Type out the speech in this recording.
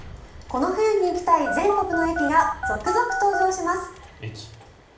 この冬に行きたい全国の駅が続々登場します。